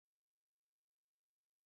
三公九卿。政界の最高幹部のこと。